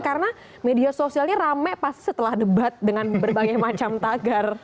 karena media sosialnya rame pasti setelah debat dengan berbagai macam tagar